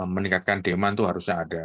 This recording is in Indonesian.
meningkatkan demand itu harusnya ada